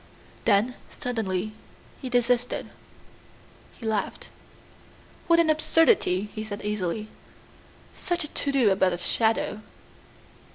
Then suddenly he desisted. He laughed. "What an absurdity," he said easily. "Such a to do about a shadow."